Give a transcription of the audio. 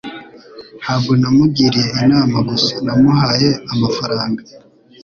Ntabwo namugiriye inama gusa, namuhaye amafaranga.